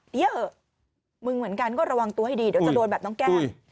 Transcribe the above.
เดี๋ยวเถอะมึงเหมือนกันก็ระวังตัวให้ดีเดี๋ยวจะโดนแบบน้องแก้ม